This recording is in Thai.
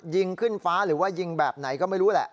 ยิงขึ้นฟ้าหรือว่ายิงแบบไหนก็ไม่รู้แหละ